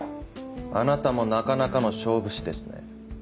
あなたもなかなかの勝負師ですね。